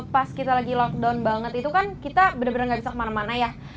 pas kita lagi lockdown banget itu kan kita benar benar nggak bisa kemana mana ya